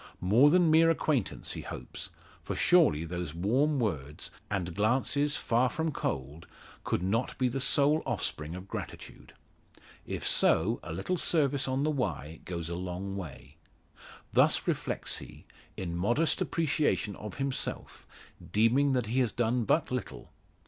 More than mere acquaintance, he hopes; for surely those warm words, and glances far from cold, could not be the sole offspring of gratitude! If so, a little service on the Wye goes a long way. Thus reflects he, in modest appreciation of himself, deeming that he has done but little.